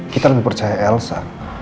kita lebih percaya elsa